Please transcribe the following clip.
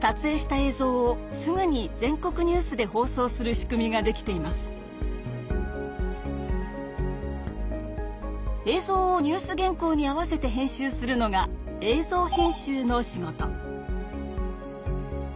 映像をニュース原こうに合わせて編集するのが映像編集の仕事。